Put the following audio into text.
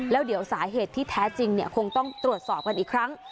แล้วเดี๋ยวสาเหตุที่แท้จริงคงต้องตรวจสอบกันอีกครั้ง